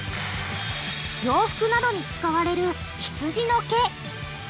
洋服などに使われるひつじの毛。